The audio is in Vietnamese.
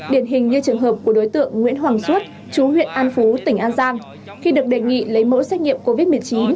điển hình như trường hợp của đối tượng nguyễn hoàng xuất chú huyện an phú tỉnh an giang khi được đề nghị lấy mẫu xét nghiệm covid một mươi chín